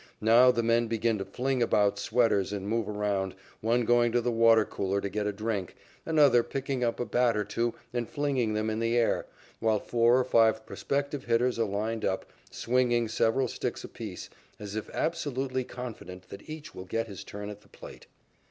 Now the men begin to fling about sweaters and move around, one going to the water cooler to get a drink, another picking up a bat or two and flinging them in the air, while four or five prospective hitters are lined up, swinging several sticks apiece, as if absolutely confident that each will get his turn at the plate.